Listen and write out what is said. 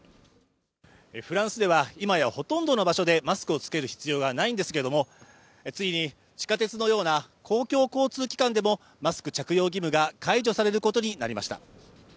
フランスでは今やほとんどの場所でマスクを着ける必要がないんですけれども、ついに地下鉄のような公共交通機関でもマスク着用義務が解除されることになりました。